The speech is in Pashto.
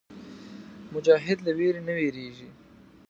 مجاهد له ویرې نه وېرېږي.